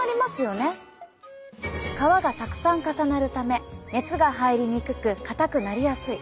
皮がたくさん重なるため熱が入りにくく硬くなりやすい。